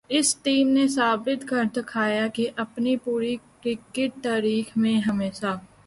اس team نے ثابت کر دکھایا کہ اپنی پوری کرکٹ تاریخ میں ہمیشہ